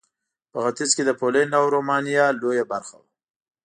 په ختیځ کې د پولنډ او رومانیا لویه برخه وه.